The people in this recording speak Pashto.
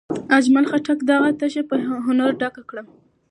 اجمل خټک دغه تشه په هنر ډکه کړه.